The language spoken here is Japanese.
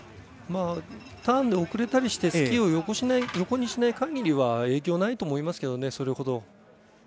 ターンで遅れたりしてスキーを横にしない限りは影響ないと思いますけどね、それほど。